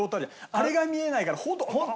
あれが見えないから本当。